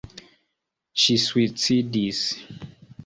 Ŝi suicidis.